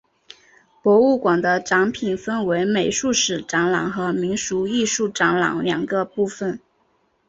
博物馆的展品分为美术史展览和民俗艺术展览两个部分。